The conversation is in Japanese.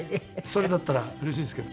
それだったらうれしいんですけど。